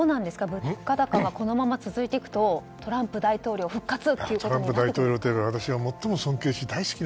物価高がこのまま続くとトランプ大統領が復活ということになるんですか？